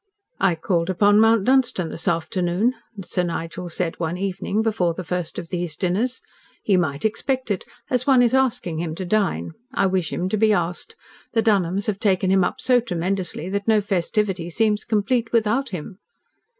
"I called upon Mount Dunstan this afternoon," Sir Nigel said one evening, before the first of these dinners. "He might expect it, as one is asking him to dine. I wish him to be asked. The Dunholms have taken him up so tremendously that no festivity seems complete without him."